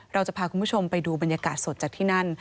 เราจะพาคุณผู้ชมไปดูบรรยากาศสดจากที่นั่น